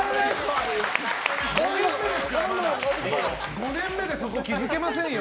５年目でそこ気づけませんよ